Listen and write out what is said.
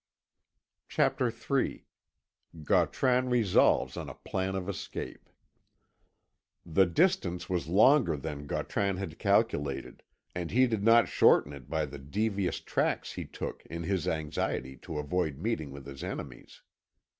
CHAPTER III GAUTRAN RESOLVES ON A PLAN OF ESCAPE The distance was longer than Gautran had calculated, and he did not shorten it by the devious tracks he took in his anxiety to avoid meeting with his enemies.